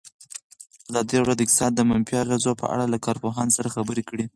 ازادي راډیو د اقتصاد د منفي اغېزو په اړه له کارپوهانو سره خبرې کړي.